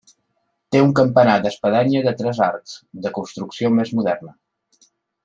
Té un campanar d'espadanya de tres arcs, de construcció més moderna.